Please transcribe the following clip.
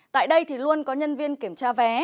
tại đây thì luôn có nhân viên kiểm tra vé